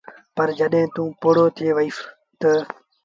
پر جڏهيݩٚ توٚنٚ پوڙهو ٿئي وهيٚس تا